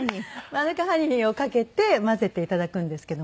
マヌカハニーをかけて混ぜて頂くんですけども。